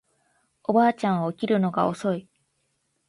おばあちゃんは起きるのが遅い